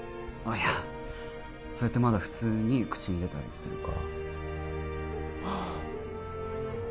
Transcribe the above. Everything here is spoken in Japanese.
あっいやそうやってまだ普通に口に出たりするからあ